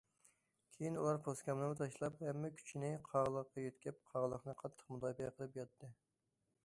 كېيىن ئۇلار پوسكامنىمۇ تاشلاپ ھەممە كۈچىنى قاغىلىققا يۆتكەپ قاغىلىقنى قاتتىق مۇداپىئە قىلىپ ياتتى.